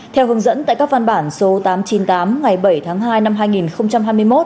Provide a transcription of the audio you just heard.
theo hướng dẫn tại các văn bản số tám trăm chín mươi tám ngày bảy tháng hai năm hai nghìn hai mươi một